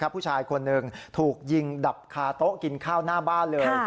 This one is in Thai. ผู้ชายคนหนึ่งถูกยิงดับคาโต๊ะกินข้าวหน้าบ้านเลย